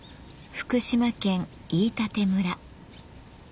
福島県飯舘村。